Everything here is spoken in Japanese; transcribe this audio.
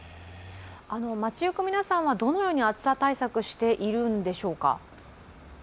町ゆく皆さんは、どのように暑さ対策しているんでしょうか。